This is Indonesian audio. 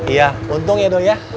iya untung ya do ya